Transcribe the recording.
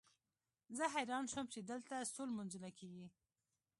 زه حیران شوم چې دلته څو لمونځونه کېږي.